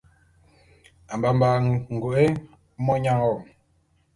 Mbamba’a ngoke monyang wo;